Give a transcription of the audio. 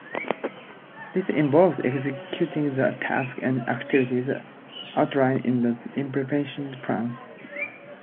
This involves executing the tasks and activities outlined in the implementation plan.